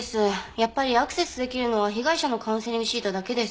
やっぱりアクセスできるのは被害者のカウンセリングシートだけです。